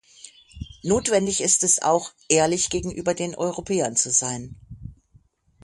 Notwendig ist es auch, ehrlich gegenüber den Europäern zu sein.